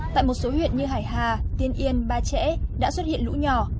tại một số huyện như hải hà tiên yên ba trẻ đã xuất hiện lũ nhỏ